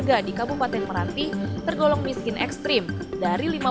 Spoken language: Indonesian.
hal ini menjadikan kabupaten kepulauan meranti ditetapkan sebagai daerah miskin ekstrim di provinsi riau